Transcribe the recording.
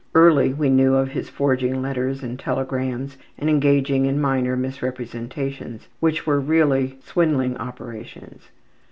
Early we knew of his forging letters and telegrams and engaging in minor misrepresentations which were really swindling operations.